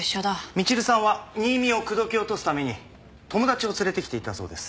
みちるさんは新見を口説き落とすために友達を連れてきていたそうです。